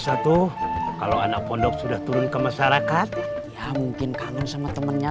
satu kalau anak pondok sudah turun ke masyarakat ya mungkin kangen sama temennya